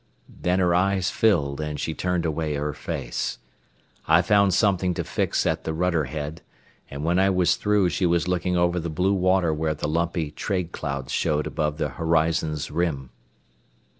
Then her eyes filled and she turned away her face. I found something to fix at the rudder head, and when I was through she was looking over the blue water where the lumpy trade clouds showed above the horizon's rim.